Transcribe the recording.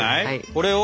これを。